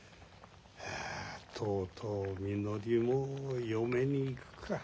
とうとうみのりも嫁に行くか。